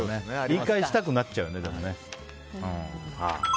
言い返したくなっちゃうね、でも。